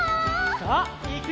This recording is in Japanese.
さあいくよ！